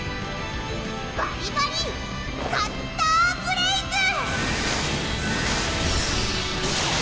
バリバリカッターブレイズ！